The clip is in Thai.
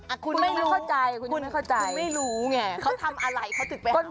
อ่ะคุณไม่รู้คุณไม่เข้าใจคุณไม่เข้าใจคุณไม่รู้ไงเขาทำอะไรเขาถึกไปหาหมอ